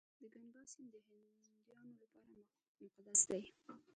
د ګنګا سیند د هندیانو لپاره مقدس دی.